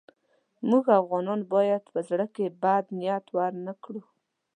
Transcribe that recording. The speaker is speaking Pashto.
موږ افغانان باید په زړه کې بد نیت ورنه کړو.